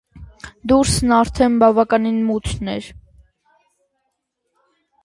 Դուրսն արդեն բավական մութն էր: